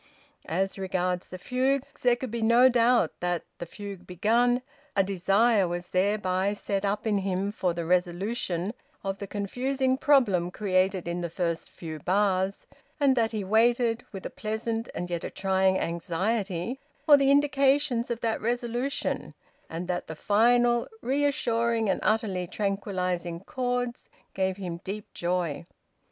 As regards the fugues, there could be no doubt that, the fugue begun, a desire was thereby set up in him for the resolution of the confusing problem created in the first few bars, and that he waited, with a pleasant and yet a trying anxiety, for the indications of that resolution, and that the final reassuring and utterly tranquillising chords gave him deep joy.